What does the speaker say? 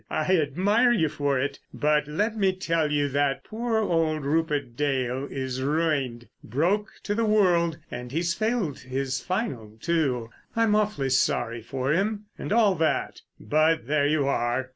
I admire you for it. But let me tell you that poor old Rupert Dale is ruined. Broke to the world, and he's failed in his final, too. I'm awfully sorry for him—and all that, but there you are."